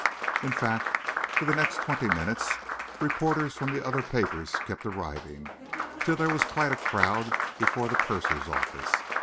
In fact, for the next twenty minutes, reporters from the other papers kept arriving, till there was quite a crowd before the purser's office.